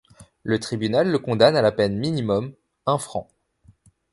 Le tribunal le condamne à la peine minimum, un franc.